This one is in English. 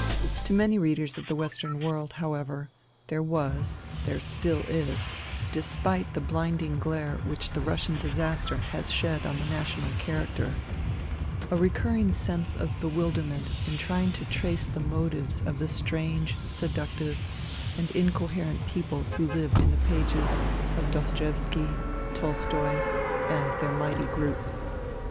To many readers of the western world, however, there was — there still is, despite the blinding glare which the Russian disaster has shed on the national character — a recurring sense of bewilderment in trying to trace the motives of the strange, seductive and incoherent people who live in the pages of Dostoevsky, Tolstoi, and their mighty group.